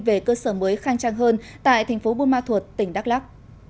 về cơ sở mới khang trang hơn tại tp bunma thuật tỉnh đắk lắk